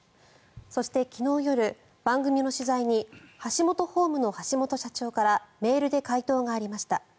そして昨日夜、番組の取材にハシモトホームの橋本社長からメールで回答がありました。